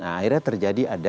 akhirnya terjadi ada